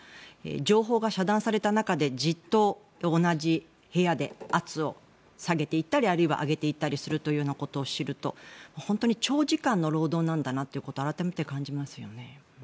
情報が遮断された中でじっと同じ部屋で圧を下げていったりあるいは上げていったりするというようなことを知ると本当に長時間の労働なんだなということを改めて感じますよね。